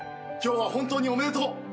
今日は本当におめでとう！